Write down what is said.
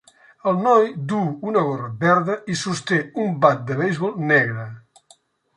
El noi duu una gorra verda i sosté un bat de beisbol negre.